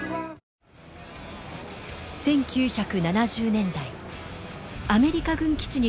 １９７０年代アメリカ軍基地に隣接する街